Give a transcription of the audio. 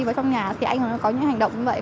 vào trong nhà thì anh ấy có những hành động như vậy